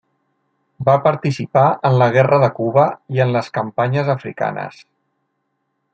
Va participar en la guerra de Cuba i en les campanyes africanes.